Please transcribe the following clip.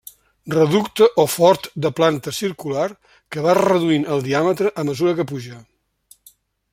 Reducte o fort de planta circular, que va reduint el diàmetre a mesura que puja.